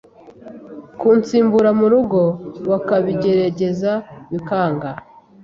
kunsimbura mu rugo bakabigerageza bikanga